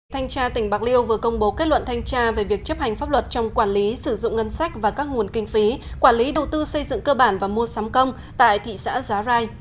thanh tra tỉnh bạc liêu vừa công bố kết luận thanh tra về việc chấp hành pháp luật trong quản lý sử dụng ngân sách và các nguồn kinh phí quản lý đầu tư xây dựng cơ bản và mua sắm công tại thị xã giá rai